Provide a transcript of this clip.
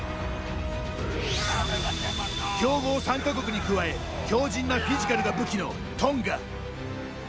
強豪３か国に加え強じんなフィジカルが武器のトンガ。